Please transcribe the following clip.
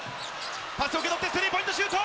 パスを受け取って、スリーポイントシュート！